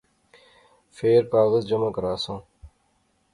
فیر کاغذ جمع کراساں